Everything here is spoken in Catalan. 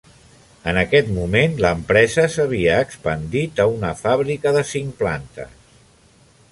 En aquest moment, l'empresa s'havia expandit a una fàbrica de cinc plantes.